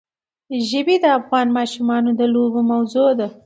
ژبې د افغان ماشومانو د لوبو موضوع ده.